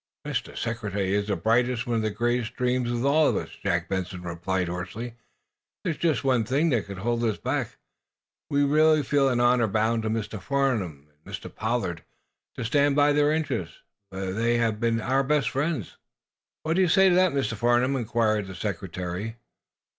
"Mr. Secretary, it's the brightest, the one great dream with us all," Jack Benson replied, hoarsely. "There is just one thing that could hold us back. We really feel in honor bound to Mr. Farnum and Mr. Pollard to stand by their interests, for they have been our best friends." "What do you say to that, Mr. Farnum?" inquired the Secretary.